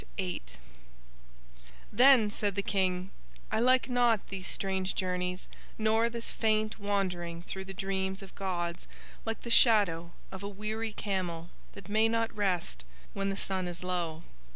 VIII Then said the King: "I like not these strange journeys nor this faint wandering through the dreams of gods like the shadow of a weary camel that may not rest when the sun is low.